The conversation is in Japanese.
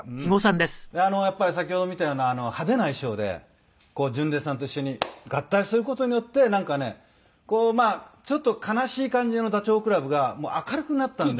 やっぱり先ほど見たような派手な衣装で純烈さんと一緒に合体する事によってなんかねちょっと悲しい感じのダチョウ倶楽部が明るくなったんで。